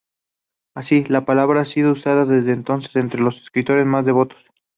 Así, la palabra ha sido usada desde entonces entre los escritores más devotos.